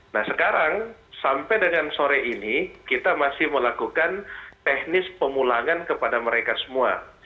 nah sekarang sampai dengan sore ini kita masih melakukan teknis pemulangan kepada mereka semua